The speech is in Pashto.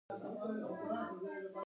ذهن پاک ساتئ